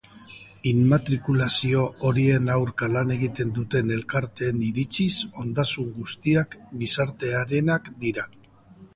Inmatrikulazio horien aurka lan egiten duten elkarteen iritziz, ondasun guztiak gizartearenak dira.